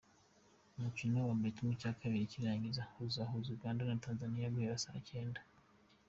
Umukino wa mbere wa ½ cy’irangiza uzahuza Uganda na Tanzania guhera saa cyenda.